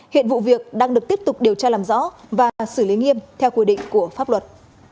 hiện vụ việc đang được tiếp tục điều tra làm rõ và xử lý nghiêm theo quy định của pháp luật